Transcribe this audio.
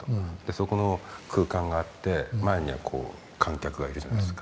そこの空間があって前には観客がいるじゃないですか。